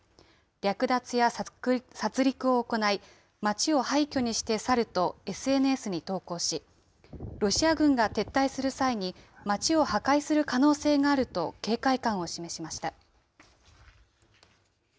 略奪や殺りくを行い、街を廃虚にして去るとＳＮＳに投稿し、ロシア軍が撤退する際に、街を破壊する可能性があると警戒感を示しました。